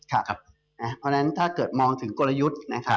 เพราะฉะนั้นถ้าเกิดมองถึงกลยุทธ์